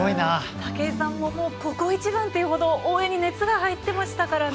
武井さんもここ一番というぐらい熱が入ってましたからね。